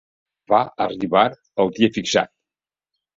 Va arribar el dia fixat.